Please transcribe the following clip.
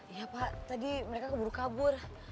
ya pak tadi mereka keburu kabur